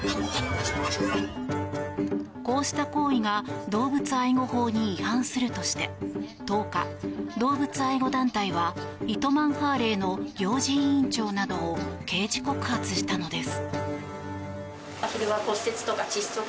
こうした行為が動物愛護法に違反するとして１０日、動物愛護団体は糸満ハーレーの行事委員長などを刑事告発したのです。